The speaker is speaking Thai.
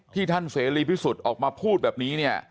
ท่านเสรีพิสุทธิ์ออกมาพูดแบบนี้เนี่ย